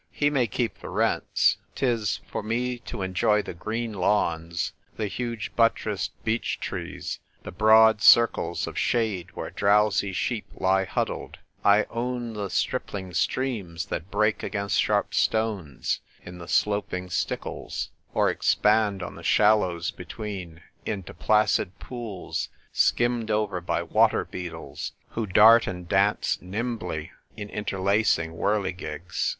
He may keep his rents : 'tis for me to enjoy the green lawns, the huge buttressed beech trees, the broad circles of shade where drowsy sheep lie huddled : I own the stripling streams that break agamst sharp stones in the sloping stickles, or expand on the shallows between into placid pools, skimmed over by water beetles who dart and dance nimbly in inter lacing whirligigs.